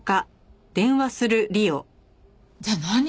じゃあ何？